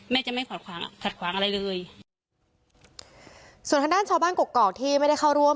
จะไม่ขัดขวางขัดขวางอะไรเลยส่วนทางด้านชาวบ้านกรกกอกที่ไม่ได้เข้าร่วม